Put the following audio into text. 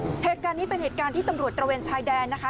เหตุการณ์นี้เป็นเหตุการณ์ที่ตำรวจตระเวนชายแดนนะคะ